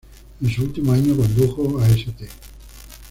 En su último año, condujo a St.